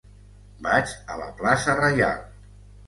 Vaig a la plaça Reial.